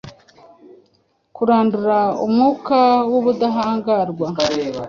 Kurandura umwuka wubudahangarwa,